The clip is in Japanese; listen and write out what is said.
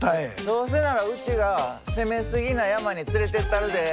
どうせならうちが攻めすぎな山に連れてったるで。